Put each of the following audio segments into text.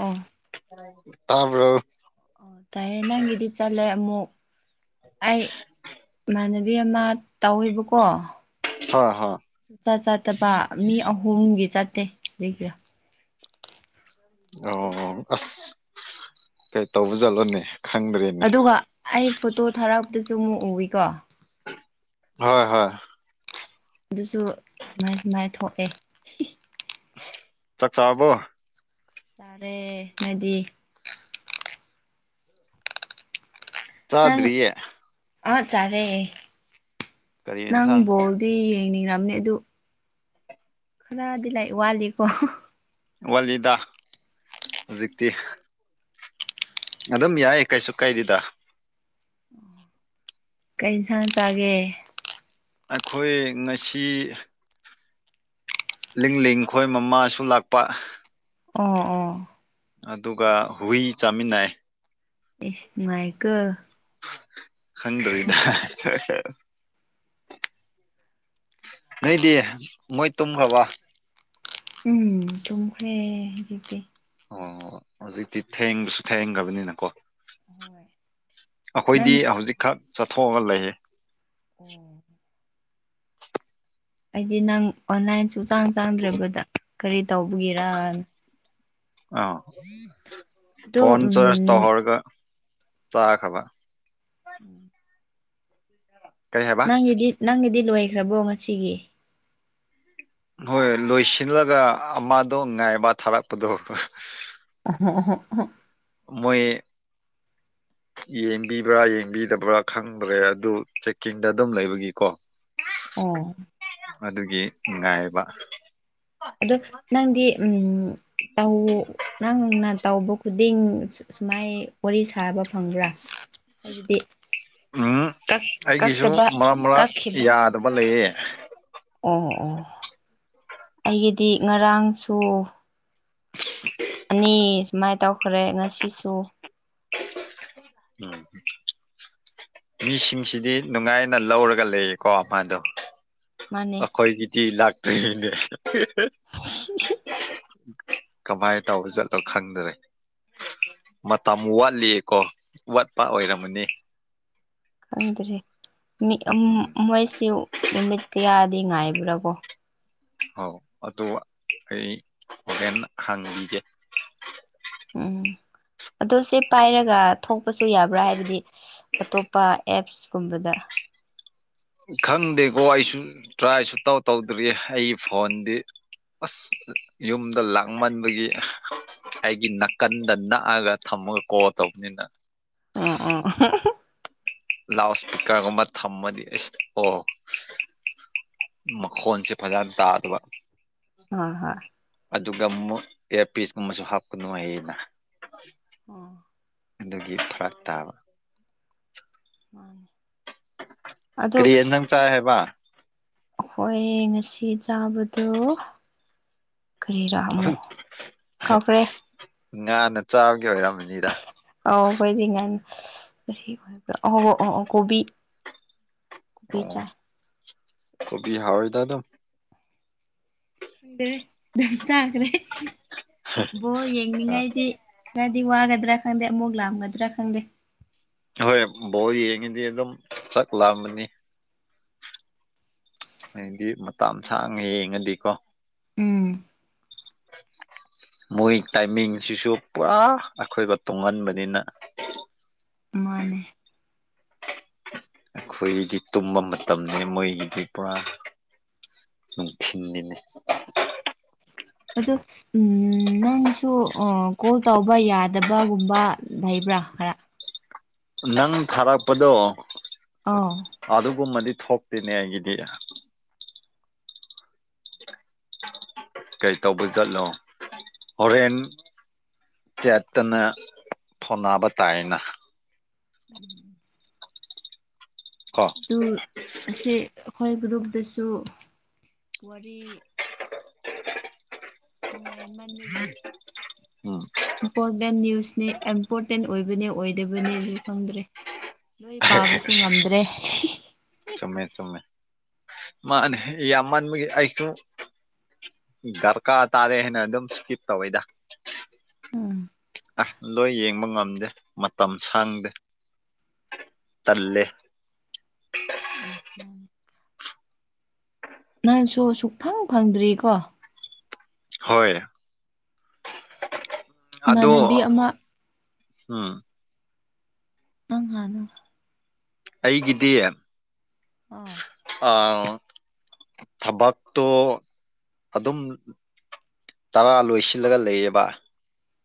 ꯑ ꯇꯕ꯭ꯔ‌ꯣ ꯑꯣ ꯇꯥꯏꯌꯦ ꯅꯪꯒꯤꯗꯤ ꯆꯠꯂꯦ ꯑꯃꯨꯛ ꯑꯩ ꯏꯃꯥꯟꯅꯕꯤ ꯑꯃ ꯇꯧꯋꯦꯕꯀꯣ ꯍꯣꯏ ꯍꯣꯏ ꯁꯨ ꯆ ꯆꯠꯇꯕ ꯃꯤ ꯑꯍꯨꯝꯒꯤ ꯆ ꯇꯦ ꯀꯔꯤ ꯒꯤꯔꯥ ꯑꯣ ꯑꯁ ꯀꯩ ꯇꯧꯕ ꯖꯥꯠꯂꯣꯅꯦ ꯈꯪꯗ꯭ꯔꯦꯅꯦ ꯑꯗꯨꯒ ꯑꯩ ꯐꯣꯇꯣ ꯊꯥꯔꯛ ꯑꯗꯨꯁꯨ ꯑꯃꯨꯛ ꯎꯏꯀꯣ ꯍꯣꯏ ꯍꯣꯏ ꯑꯗꯨꯁꯨ ꯁꯨꯃꯥꯏ ꯁꯨꯃꯥꯏꯅ ꯊꯣꯛꯑꯦ ꯆꯥꯛꯆꯥꯥꯔꯕꯣ ꯆꯥꯔꯦ ꯅꯣꯏꯗꯤ ꯆꯥꯗ꯭ꯔꯤꯌꯦ ꯑꯆꯥꯥꯔꯦ ꯀꯔꯤ ꯅꯪ ꯌꯦꯟꯁꯥꯡ ꯕꯣꯜꯗꯤ ꯌꯦꯡꯅꯤꯔ ꯅꯦ ꯑꯗꯨ ꯈꯔꯗꯤ ꯂꯩ ꯋꯥꯠꯂꯤꯀꯣ ꯋꯥꯠꯂꯤꯗꯥ ꯍꯧꯖꯤꯛꯇꯤ ꯑꯗꯨꯝ ꯌꯥꯏ ꯀꯩꯁꯨ ꯀꯩꯗꯦꯗ ꯀꯩ ꯏꯟꯁꯥꯡ ꯆꯥꯒꯦ ꯑꯩꯈꯣꯏ ꯉꯁꯤ ꯂꯤꯡ ꯂꯤꯡ ꯈꯣꯏ ꯃꯃꯥꯁꯨ ꯂꯥꯛꯄ ꯑꯣ ꯑꯣ ꯑꯗꯨꯒ ꯍꯨꯏ ꯆꯥꯃꯤꯟꯅꯩ ꯏꯁ ꯅꯨꯡꯉꯥꯏꯀꯣ ꯈꯪꯗ꯭ꯔꯤꯗ ꯅꯣꯏꯗꯤ ꯃꯣꯏ ꯇꯨꯝꯈ꯭ꯔꯕ ꯎꯝ ꯇꯨꯝꯃꯈ꯭ꯔꯦ ꯍꯧꯖꯤꯛꯇꯤ ꯑꯣ ꯍꯧꯖꯤꯛꯇꯤ ꯊꯦꯡꯕꯁꯨ ꯊꯦꯡꯈ꯭ꯔꯕꯅꯤꯅꯀꯣ ꯍꯣꯏ ꯅꯪ ꯑꯈꯣꯏꯗꯤ ꯍꯧꯖꯤꯛꯈꯛ ꯆꯠꯊꯣꯛꯑꯒ ꯂꯩꯌꯦ [inaudible] ꯑꯣ ꯑꯩꯗꯤ ꯅꯪ ꯑꯣꯟꯂꯥꯏꯟ ꯆꯥꯡ ꯆꯥꯡꯗ꯭ꯔꯕꯗ ꯀꯔꯤ ꯇꯧꯕꯒꯤꯔ ꯑꯥ ꯐꯣꯟ ꯆꯔꯁ ꯎꯝ ꯇꯧꯍꯧꯔꯒ ꯆꯥ ꯈꯕ [inaudible] ꯀꯔꯤ ꯍꯥꯏꯕ ꯅꯪꯒꯤꯗꯤ ꯅꯪꯒꯤꯗꯤ ꯂꯣꯏꯈ꯭ꯔꯕꯣ ꯉꯁꯤꯒꯤ ꯍꯣꯏ ꯂꯣꯏꯁꯤꯜꯂꯒ ꯑꯃꯗꯣ ꯉꯥꯏꯕ ꯊꯥꯔꯛꯄꯗꯣ [inaudible] ꯃꯣꯏ ꯌꯦꯡꯕꯤꯕ꯭ꯔꯥ ꯌꯦꯡꯕꯤꯗꯕ꯭ꯔꯥ ꯈꯪꯗ꯭ꯔꯦ ꯑꯗꯨ ꯆꯦꯛꯀꯤꯡꯗ ꯑꯗꯨꯝ ꯂꯩꯕꯒꯤꯀꯣ ꯑꯣ ꯑꯗꯨꯒꯤ ꯅꯨꯡꯉꯥꯏꯕ ꯑꯗꯣ ꯅꯪꯗꯤ ꯎꯝ ꯅꯪꯅ ꯇꯧꯕ ꯈꯨꯗꯤꯡ ꯁꯨꯃꯥꯏ ꯋꯥꯔꯤ ꯁꯥꯕ ꯈꯪꯕ꯭ꯔꯥ ꯍꯥꯏꯕꯗꯤ ꯎꯝ ꯑꯩꯒꯤꯁꯨ ꯀꯛꯇꯕ ꯃꯔꯛ ꯃꯔꯛ ꯀꯛꯈꯤꯕ ꯌꯥꯗꯕ ꯂꯩꯌꯦ ꯑꯣ ꯑꯣ ꯑꯩꯒꯤꯗꯤ ꯉꯔꯥꯡꯁꯨ [inaudible] ꯑꯅꯤ ꯁꯨꯃꯥꯏꯅ ꯇꯧꯈ꯭ꯔꯦ ꯉꯁꯤꯁꯨ ꯎꯝ ꯃꯤꯁꯤꯡꯁꯤꯗꯤ ꯅꯨꯡꯉꯥꯏꯅ ꯂꯧꯔꯒ ꯂꯩꯌꯦꯀꯣ ꯃꯥꯗꯣ ꯃꯥꯅꯦ ꯑꯩꯈꯣꯏꯒꯤꯗꯤ ꯂꯛ ꯊꯗꯤ [inaudible] ꯀꯃꯥꯏꯅ ꯇꯧꯔ ꯆꯠꯂꯣ ꯈꯪꯗ꯭ꯔꯦ ꯃꯇꯝ ꯋꯥꯠꯂꯤꯌꯦꯀꯣ ꯋꯥꯠꯄ ꯑꯣꯏꯔꯝꯃꯅꯤ ꯈꯪꯗ꯭ꯔꯦ ꯎꯝ ꯃꯣꯏꯁꯨ ꯅꯨꯃꯤꯠ ꯀꯌꯥ ꯑꯗꯤ ꯉꯥꯏꯕ꯭ꯔꯥꯕꯣ ꯍꯧ ꯑꯗꯨ ꯑꯩ ꯍꯣꯔꯦꯟ ꯍꯥꯡꯈꯤꯒꯦ ꯎꯝ ꯑꯗꯣ ꯁꯤ ꯄꯥꯏꯔꯒ ꯊꯣꯛ ꯄꯁꯨ ꯌꯥꯕ꯭ꯔꯥ ꯍꯥꯏꯕꯗꯤ ꯑꯇꯣꯞꯄ ꯑꯦꯞꯁꯀꯨꯝꯕꯗ ꯈꯪꯗꯦꯀꯣ ꯑꯩꯁꯨ ꯇ꯭ꯔꯥꯏꯁꯨ ꯇꯧ ꯇꯧꯗ꯭ꯔꯤ ꯑꯩꯒꯤ ꯐꯣꯟꯗꯤ ꯑꯁ ꯌꯨꯝꯗ ꯂꯥꯛꯃꯟꯕꯒꯤ ꯑꯩꯒꯤ ꯅꯥꯀꯟꯗ ꯅꯛꯑꯒ ꯊꯝꯃꯒ ꯀꯣꯜ ꯇꯧꯕꯅꯤꯅ ꯎꯝ ꯎꯝ ꯂꯥꯎꯠ ꯏꯁꯄꯤꯀꯔꯒꯨꯝꯕ ꯊꯝꯃꯗꯤ ꯑꯁ ꯑꯣ ꯃꯈꯣꯟꯁꯦ ꯐꯖꯅ ꯇꯥꯗꯕ ꯍꯣꯏ ꯍꯣꯏ ꯑꯗꯨꯒ ꯑꯃꯨ ꯏꯌꯥꯔꯄꯤꯁꯀꯨꯝꯕꯁꯨ ꯍꯥꯞꯄꯒ ꯅꯨꯉꯥꯌꯦꯕ ꯑꯣ ꯑꯗꯨꯒꯤ ꯐꯔꯥꯛ ꯇꯥꯕ ꯃꯥꯅꯦ ꯀꯔꯤ ꯌꯦꯟꯖꯪ ꯆꯥꯏ ꯍꯥꯏꯕ ꯍꯈꯣꯏ ꯉꯁꯤ ꯆꯥꯕꯗꯣ ꯈꯔꯤꯔꯃꯣ ꯀꯈꯔꯦ ꯉꯥꯅ ꯆꯥꯒ ꯑꯣꯏꯔ [unintelligible] ꯀꯣꯕꯤ ꯀꯣꯕꯤ ꯑꯣ ꯆꯥꯏ ꯀꯣꯕꯤ ꯍꯥꯎꯋꯣꯏꯗ ꯑꯗꯨꯝ ꯗꯦ ꯑꯗꯨꯝ ꯆꯈꯔꯦ ꯕꯣ ꯌꯦꯡꯅꯤꯡꯉꯥꯏꯗꯤ ꯗꯤ ꯋꯥꯒꯗ꯭ꯔꯥ ꯈꯪꯗꯦ ꯑꯃꯨꯛ ꯂꯥꯝꯒꯗ꯭ꯔꯥ ꯈꯪꯗꯦ ꯍꯣꯏ ꯕꯣꯔ ꯌꯦꯡꯉꯤꯗꯤ ꯑꯗꯨꯝ ꯆꯠꯂꯝꯑꯝꯕꯅꯤ ꯍꯥꯏꯗꯤ ꯃꯇꯝ ꯁꯥꯡꯅ ꯌꯦꯡꯉꯗꯤꯀꯣ ꯎꯝ ꯃꯣꯏ ꯇꯥꯏꯃꯤꯡꯁꯤꯁꯨ ꯄꯨꯔꯥ ꯑꯩꯈꯣꯏꯒ ꯇꯨꯡꯍꯟꯕꯅꯤꯅ ꯃꯥꯅꯦ ꯑꯩꯈꯣꯏꯒꯤꯗꯤ ꯇꯨꯝꯕ ꯃꯇꯝꯅꯤꯅꯦ ꯃꯣꯏꯒꯤꯗꯤ ꯄꯨꯔꯥ ꯅꯨꯡꯊꯤꯤꯟꯒꯤꯅꯤ ꯎ ꯅꯪꯁꯨ ꯀꯣꯜ ꯇꯧꯕ ꯌꯥꯗꯕꯒꯨꯝꯕ ꯂꯩꯕ꯭ꯔꯥ ꯈꯔ ꯅꯪ ꯊꯥꯔꯛꯄꯗꯣ ꯑꯥꯎ ꯑꯗ ꯀꯃꯗꯤ ꯊꯣꯛꯣꯛꯇꯅꯦ ꯑꯩꯒꯤꯗ ꯀꯩꯇꯧꯕ ꯆꯠꯂꯣ ꯍꯣꯔꯦꯟ ꯆꯦꯠꯇꯅ ꯐꯣꯟꯅꯕ ꯇꯥꯏꯅ ꯎꯝ ꯀꯣ ꯑꯗꯨ ꯁꯤ ꯍꯣꯏ ꯔꯨꯕꯗꯁꯨ ꯋꯥꯔꯤ ꯅꯨꯡꯉꯥꯏꯃꯟꯕꯒꯤ ꯑ ꯏꯝꯄꯣꯔꯇꯦꯟ ꯅ꯭ꯌꯨꯁꯅꯦ ꯏꯝꯄꯣꯔꯇꯦꯟ ꯑꯣꯏꯕꯅꯦ ꯑꯣꯏꯗꯕꯅꯦꯁꯨ ꯈꯪꯗ꯭ꯔꯦ ꯅꯣꯏ ꯄꯥꯕꯁꯨ ꯉꯝꯗ꯭ꯔꯦ ꯆꯨꯝꯃꯦ ꯆꯨꯝꯃꯦ ꯃꯥꯅꯦ ꯌꯥꯝꯃꯟꯕꯒꯤ ꯑꯩꯁꯨ ꯗꯔꯀꯥꯔ ꯇꯥꯔꯦ ꯍꯥꯏꯅ ꯑꯗꯨꯝ ꯏꯁꯀꯤꯞ ꯇꯧꯋꯦꯗ ꯎꯝ ꯑꯁ ꯂꯣꯏ ꯌꯦꯡꯕ ꯉꯝꯗꯦ ꯃꯇꯝ ꯁꯥꯡꯗꯦ ꯇꯜꯂꯦ ꯎꯝ ꯃꯥꯅꯤ ꯅꯪꯁꯨ ꯁꯨꯛꯐꯪ ꯐꯪꯗ꯭ꯔꯤꯀꯣ ꯍꯣꯏ ꯏꯃꯥꯟꯅꯕꯤ ꯑꯃ ꯑꯝ ꯅꯪ ꯀꯅꯣ ꯑꯩꯒꯤꯗꯤ ꯑꯥ ꯑꯥ ꯊꯕꯛꯇꯣ ꯑꯗꯨꯝ ꯇꯔꯥ ꯂꯣꯏꯁꯤꯜꯂꯒ ꯂꯩꯌꯦꯕ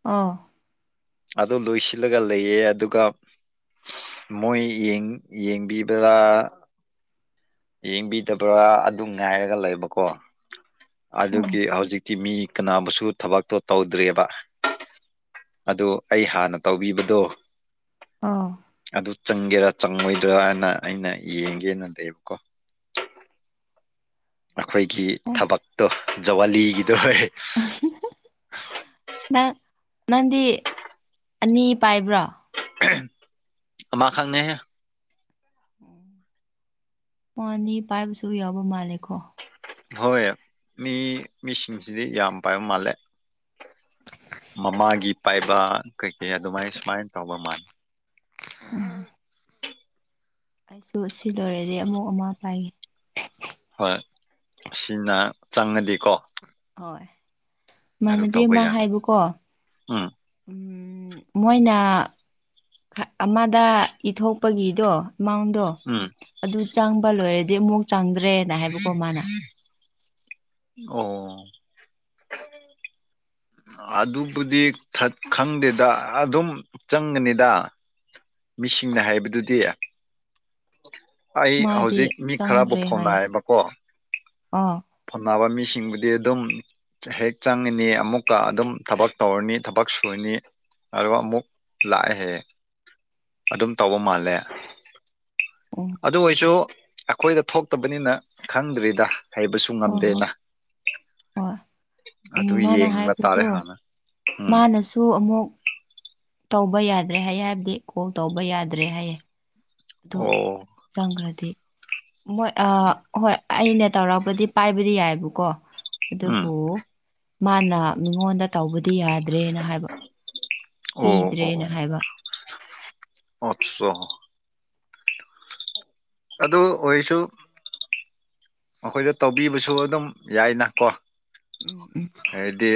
ꯑꯣ ꯑꯗꯨ ꯂꯣꯏꯁꯤꯜꯂꯒ ꯂꯩꯌꯦ ꯑꯗꯨꯒ ꯃꯣꯏ ꯌꯦꯡꯕꯤꯕ꯭ꯔꯥ ꯌꯦꯡꯕꯤꯗꯕ꯭ꯔꯥ ꯑꯗꯨ ꯉꯥꯏꯔꯒ ꯂꯩꯕꯀꯣ ꯑꯣ ꯑꯗꯨꯒꯤ ꯍꯧꯖꯤꯛꯇꯤ ꯃꯤ ꯀꯅꯥꯕꯨꯁꯨ ꯊꯕꯛꯇꯣ ꯇꯧꯗ꯭ꯔꯦꯕ ꯑꯗꯨ ꯑꯩ ꯍꯥꯟꯅ ꯇꯧꯕꯤꯕꯗꯣ ꯑꯣ ꯑꯗꯨ ꯆꯪ ꯒꯤꯦꯔꯥ ꯆꯪꯉꯣꯏꯗ꯭ꯔꯥꯅ ꯑꯩꯅ ꯌꯦꯡꯒꯦꯅ ꯂꯩꯕ ꯀꯣ ꯑꯩꯈꯣꯏꯒꯤ ꯑꯣ ꯊꯕꯛꯇꯣ ꯖꯋꯥꯂꯤꯒꯤꯗꯣ ꯑꯣꯏ ꯅꯪ ꯅꯪꯗꯤ ꯑꯅꯤ ꯄꯥꯏꯕ꯭ꯔꯣ ꯃꯥ ꯈꯪꯅꯦꯍꯦ ꯎꯝ ꯃꯥꯅꯤ ꯄꯥꯏꯕꯁꯨ ꯌꯥꯎꯕ ꯃꯥꯜꯂꯦꯀꯣ ꯍꯣꯏ ꯃꯤ ꯃꯤꯁꯤꯡꯁꯤꯗꯤ ꯌꯥꯝ ꯄꯥꯏꯕ ꯃꯥꯜꯂꯦ ꯃꯃꯥꯒꯤ ꯄꯥꯏꯕ ꯀꯩꯀꯩ ꯑꯗꯨꯃꯥꯏ ꯁꯨꯃꯥꯏꯅ ꯇꯧꯕ ꯃꯥꯜꯂꯦ ꯎꯝ ꯑꯩꯁꯨ ꯁꯤ ꯂꯣꯏꯔꯗꯤ ꯑꯃꯨꯛ ꯑꯃ ꯄꯥꯏꯒꯦ ꯍꯣꯏ ꯁꯤꯅ ꯆꯪꯉꯗꯤꯀꯣ ꯍꯣꯏ ꯑꯗꯨ ꯇꯧꯕ ꯑꯃ ꯌꯥꯅꯤ ꯍꯥꯏꯕꯀꯣ ꯎꯝ ꯎꯝ ꯃꯣꯏꯅ ꯑꯃꯗ ꯏꯊꯣꯛꯄꯒꯤꯗꯣ ꯃꯥꯎꯟꯗꯣ ꯎꯝ ꯑꯗꯨ ꯆꯥꯡ ꯂꯣꯏꯔꯗꯤ ꯑꯃꯨꯛ ꯆꯥꯡꯗ ꯇ꯭ꯔꯦꯅ ꯍꯥꯏꯕꯀꯣ ꯃꯥꯅ ꯑꯣ ꯑꯗꯨꯕꯨꯗꯤ ꯈꯪꯗꯦꯗ ꯑꯗꯨꯝ ꯆꯪꯒꯅꯤꯗ ꯃꯤꯁꯤꯡꯅ ꯍꯥꯏꯕꯗꯨꯗꯤ ꯑꯩ ꯃꯥꯗꯤ ꯍꯧꯖꯤꯛ ꯃꯤ ꯈꯔꯕꯨ ꯆꯪꯗ꯭ꯔꯦ ꯍꯥꯏ ꯐꯥꯎꯅꯥꯌꯦꯕꯀꯣ [inaudible] ꯐꯣꯟꯅꯕ ꯃꯤꯁꯤꯡꯕꯨꯗꯤ ꯑꯗꯨꯝ ꯍꯦꯛ ꯆꯪꯉꯤꯅꯤ ꯑꯃꯨꯛꯀ ꯑꯗꯨꯝ ꯊꯕꯛ ꯇꯧꯔꯅꯤ ꯊꯕꯛ ꯁꯨꯨꯔꯅꯤ ꯑꯗꯨꯒ ꯑꯃꯨꯛ ꯂꯥꯛꯑꯦꯍꯦꯛ ꯑꯗꯨꯝ ꯇꯧꯕ ꯃꯥꯜꯂꯦ ꯎ ꯑꯗꯨ ꯑꯣꯏꯁꯨ ꯑꯈꯣꯏꯗ ꯊꯣꯛꯇꯕꯅꯤꯅ ꯈꯪꯗ꯭ꯔꯤꯗ ꯍꯩꯕꯁꯨ ꯍꯣꯏ ꯍꯣꯏ ꯉꯝꯗꯦꯅ ꯎꯝ ꯑꯗꯨ ꯃꯥꯅ ꯌꯦꯡꯕ ꯇꯥꯔꯦ ꯍꯥꯏꯕꯗꯣ ꯍꯥꯟꯅ ꯎꯝ ꯃꯥꯅꯁꯨ ꯑꯃꯨꯛ ꯇꯧꯕ ꯌꯥꯗ꯭ꯔꯦ ꯍꯥꯏꯌꯦ ꯍꯥꯏꯕꯗꯤ ꯀꯣꯜ ꯇꯧꯕ ꯌꯥꯗ꯭ꯔꯦ ꯍꯥꯏꯌꯦ ꯑꯗꯨ ꯑꯣ ꯆꯪꯈ꯭ꯔꯗꯤ ꯃꯣꯏ ꯑ ꯍꯣꯏ ꯑꯩꯅ ꯇꯧꯔꯛꯄꯗꯤ ꯄꯥꯏꯕꯗꯤ ꯌꯥꯏꯕꯀꯣ ꯀꯣ ꯎꯝ ꯑꯗꯨꯕꯨ ꯃꯥꯅ ꯃꯤꯉꯣꯟꯗ ꯇꯧꯕ ꯗꯤ ꯌꯥꯗ꯭ꯔꯦꯅ ꯍꯥꯏꯕ ꯄꯤꯗ꯭ꯔꯦꯅ ꯍꯥꯏꯕ ꯑꯆꯥ ꯑꯗꯨ ꯑꯣꯏꯁꯨ ꯃꯈꯣꯏꯗ ꯇꯧꯕꯤꯕꯁꯨ ꯑꯗꯨꯝ ꯌꯥꯏꯅ ꯀꯣ ꯎꯝ ꯎꯝ ꯍꯥꯏꯗꯤ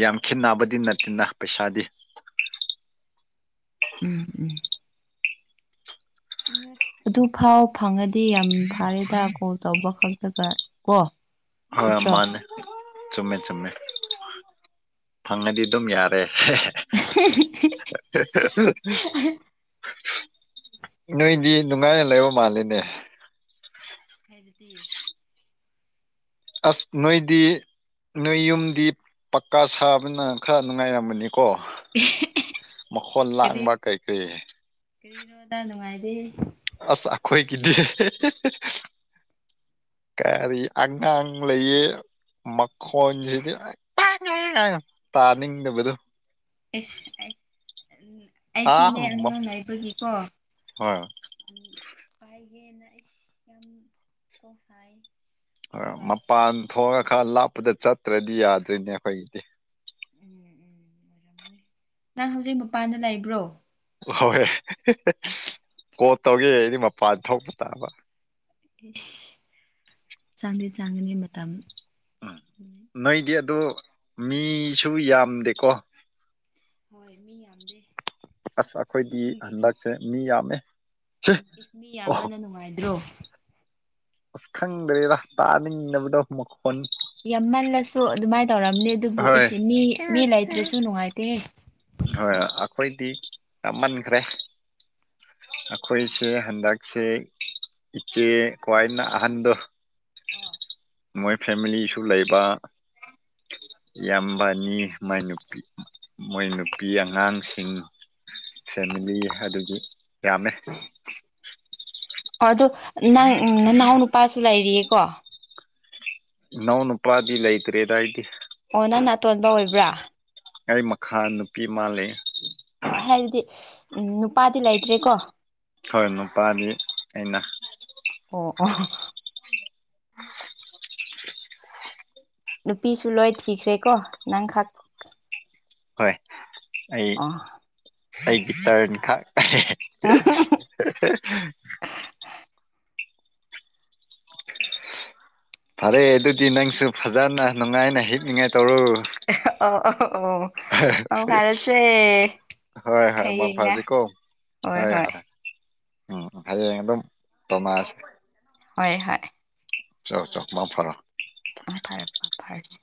ꯌꯥꯝ ꯈꯦꯟꯅꯕꯗꯤ ꯅꯠꯇꯦꯅ ꯄꯩꯁꯥꯗꯤ ꯎꯝ ꯎꯝ ꯑꯗꯨ ꯐꯥꯎ ꯐꯪꯉ ꯗꯤ ꯌꯥꯝ ꯐꯥꯔꯦꯗ ꯀꯣꯜ ꯇꯧꯕꯈꯛ ꯗꯨꯒ ꯀꯣ ꯍꯣꯏ ꯅꯠꯇ꯭ꯔꯣ ꯑꯃꯅꯦ ꯆꯨꯝꯃꯦ ꯆꯨꯝꯃꯦ ꯐꯪꯉꯗꯤ ꯑꯗꯨꯝ ꯌꯥꯔꯦ [unintelligible] ꯅꯣꯏꯗꯤ ꯅꯨꯡꯉꯥꯏꯅ ꯂꯩꯕ ꯃꯥꯜꯂꯤꯅꯦ ꯍꯥꯏꯕꯗꯤ ꯑꯁ ꯅꯣꯏꯗꯤ ꯅꯣꯏ ꯌꯨꯝꯗꯤ ꯄꯀꯥ ꯁꯥꯕꯅ ꯈꯔ ꯅꯨꯡꯉꯥꯏꯔꯝꯕꯅꯤ ꯀꯣ ꯃꯈꯣꯟ ꯂꯥꯡꯕ ꯀꯔꯤ ꯀꯔꯤ ꯀꯔꯣ ꯊꯃꯥꯏꯗꯤ ꯑꯁ ꯑꯩꯈꯣꯏꯒꯤꯗꯤ ꯀꯔꯤ ꯑꯉꯥꯡ ꯂꯩꯌꯦ ꯃꯈꯣꯟꯁꯤꯗꯤ ꯇꯥꯅꯤꯡꯗꯕꯗꯣ ꯏꯁ ꯎꯝ ꯑꯥ ꯑꯩꯁꯨꯅꯦ ꯑꯉꯥꯡ ꯍꯣꯏ ꯅꯏꯕꯒꯤꯀꯣ ꯌꯦꯦꯟꯅ ꯑꯩ ꯌꯥꯝ ꯀꯣꯛꯁꯥꯏ ꯍꯣꯏ ꯃꯄꯥꯟ ꯊꯣꯛꯉ ꯈꯔ ꯂꯥꯞ ꯗ ꯆꯠꯇ꯭ꯔꯗꯤ ꯌꯥꯗ꯭ꯔꯤꯅꯦ ꯑꯩꯈꯣꯏꯒꯤꯗꯤ ꯎ ꯅꯪ ꯍꯧꯖꯤꯛ ꯃꯄꯥꯟꯗ ꯂꯩꯕ꯭ꯔꯣ ꯍꯍꯣꯏ ꯀꯣ ꯇꯧꯒꯦ ꯑꯩꯗꯤ ꯃꯄꯥꯟ ꯊꯣꯛꯄ ꯇꯥꯕ ꯆꯥꯡꯗꯤꯦ ꯆꯥꯡꯒꯅꯤ ꯃꯇꯝ ꯎꯝ ꯅꯣꯏꯗꯤ ꯑꯣ ꯃꯤꯁꯨ ꯌꯥꯝꯗꯦꯀꯣ ꯍꯣꯏ ꯃꯤ ꯌꯥꯗ ꯑꯁ ꯑꯩꯈꯣꯏꯗꯤ ꯍꯟꯗꯛꯁꯦ ꯃꯤ ꯌꯥꯝꯃꯦ ꯁꯤ ꯏꯁ ꯃꯤ ꯑꯣ ꯌꯥꯝꯕꯅ ꯅꯨꯡꯉꯥꯏꯗ꯭ꯔꯣ ꯑꯁ ꯈꯪꯗ꯭ꯔꯦꯗ ꯇꯥꯅꯤꯡꯗꯕꯗꯣ ꯃꯈꯣꯟ ꯌꯥꯝꯃꯜꯂꯁꯨ ꯑꯗꯨꯃꯥꯏꯅ ꯇꯧꯔꯝꯅꯦ ꯑꯗꯨꯕꯨ ꯍꯣꯏ ꯑꯩꯁꯦ ꯃꯤ ꯃꯤ ꯂꯩꯇ꯭ꯔꯔꯤꯁꯨ ꯁꯨ ꯅꯨꯡꯉꯥꯏꯇꯦ ꯍꯣꯏ ꯑꯩꯈꯣꯏꯗꯤ ꯌꯥꯝꯃꯟꯈ꯭ꯔꯦ ꯑꯩꯈꯣꯏꯁꯦ ꯍꯟꯗꯛꯁꯦ ꯏꯆꯦ ꯀ꯭ꯋꯥꯏꯅ ꯑꯍꯟꯗꯣ ꯑꯣ ꯃꯣꯏ ꯐꯦꯃꯤꯂꯤꯁꯨ ꯂꯩꯕ ꯏꯌꯥꯝꯕꯅꯤ ꯃꯥꯏ ꯅꯨꯄꯤ ꯃꯣꯏ ꯅꯨꯄꯤ ꯑꯉꯥꯡꯁꯤꯡ ꯐꯦꯃꯤꯂꯤ ꯑꯗꯨꯒꯤ ꯌꯥꯝꯃꯦ ꯑ ꯑꯗꯨ ꯅꯪ ꯅꯎꯅꯨ ꯄꯁꯨꯨꯂ ꯏꯔꯤꯑ ꯀ ꯅꯧꯅ ꯎ of ꯄꯗ ꯂ ꯑꯩꯇꯔꯤ ꯑꯗꯨꯥꯏꯗꯤ ꯕ꯭ꯔꯥ ꯑꯩ ꯃꯈꯥ ꯅꯨꯄꯤ ꯃꯥꯜꯂꯤ ꯑꯣ ꯍꯥꯏꯕꯗꯤ ꯎꯝ ꯅꯨꯄꯥ ꯗꯤ ꯂꯩꯇ꯭ꯔꯦꯀꯣ ꯍꯣꯏ ꯅꯨꯄꯥꯗꯤ ꯑꯩꯅ ꯑꯣ ꯑꯣ ꯅꯨꯄꯤꯁꯨ ꯂꯣꯏ ꯊꯤꯈ꯭ꯔꯦ ꯀꯣ ꯅꯪꯈꯥꯛ ꯍꯣꯏ ꯑꯩ ꯑꯩꯒꯤ ꯇꯔꯟꯈꯥꯛ [unintelligible] ꯐꯔꯦ ꯑꯗꯨꯗꯤ ꯅꯪꯁꯨ ꯐꯖꯅ ꯅꯨꯡꯉꯥꯏꯅ ꯍꯤꯛꯅꯤꯡꯉꯥꯏ ꯇꯧꯔꯨ ꯑ ꯑ ꯑꯣ ꯑꯣ ꯄꯥꯎ ꯐꯥꯔꯁꯦ ꯍꯣꯌ ꯍꯣꯌ ꯃꯛ ꯍꯌꯦꯡꯅ ꯐꯁꯤ ꯀꯣ ꯍꯣꯏ ꯍꯣꯌ ꯍꯣꯏ ꯍꯣꯌ ꯎꯝ ꯍꯌꯦꯡ ꯑꯗꯨꯝ ꯇꯣꯃꯁ ꯍꯣꯏ ꯍꯣꯏ ꯆꯣ ꯆꯣ ꯃꯥ ꯐꯔꯣ ꯑ ꯐꯔꯛ ꯐ ꯐꯔꯛꯁꯤ